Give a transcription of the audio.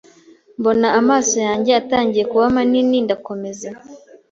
mbona amaso yanjye atangiye kuba manini ndakomeza